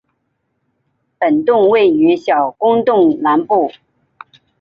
本洞位于小公洞南部。